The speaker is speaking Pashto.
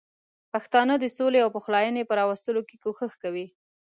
پښتانه د سولې او پخلاینې په راوستلو کې کوښښ کوي.